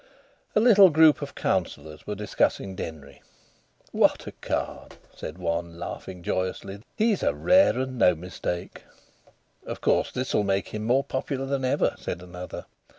A little group of councillors were discussing Denry. "What a card!" said one, laughing joyously. "He's a rare 'un, no mistake." "Of course, this'll make him more popular than ever," said another.